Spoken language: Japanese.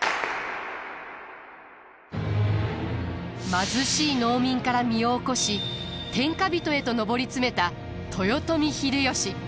貧しい農民から身を起こし天下人へと上り詰めた豊臣秀吉。